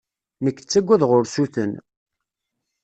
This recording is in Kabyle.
Nekk ttaggadeɣ ursuten.